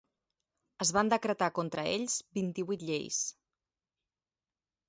Es van decretar contra ells vint-i-vuit lleis.